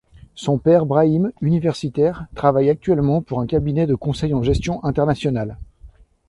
Son père Brahim, universitaire, travaille actuellement pour un cabinet de conseil en gestion internationale.